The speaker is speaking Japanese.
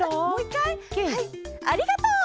はい「ありがとう！」。